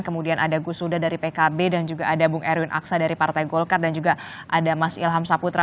kemudian ada gusuda dari pkb dan juga ada bung erwin aksa dari partai golkar dan juga ada mas ilham saputra